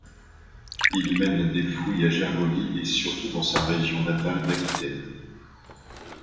Il mène des fouilles à Gergovie et surtout dans sa région natale d'Aquitaine.